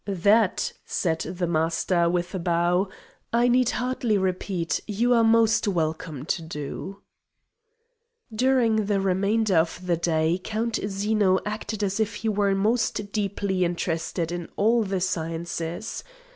"That," said the Master, with a bow, "I need hardly repeat, you are most welcome to do." During the remainder of the day Count Zeno acted as if he were most deeply interested in all the sciences.